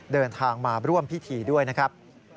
เดินทางมาร่วมพิธีด้วยนะครับ